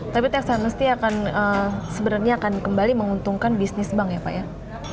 tapi tax amnesty sebenarnya akan kembali menguntungkan bisnis bank ya pak ya